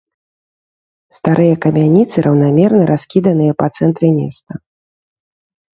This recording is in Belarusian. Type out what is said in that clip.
Старыя камяніцы раўнамерна раскіданыя па цэнтры места.